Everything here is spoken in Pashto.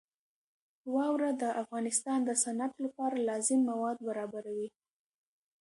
واوره د افغانستان د صنعت لپاره لازم مواد برابروي.